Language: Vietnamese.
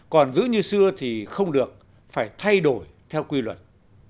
còn giữ như xưa thì không được phải thay đổi theo quy luật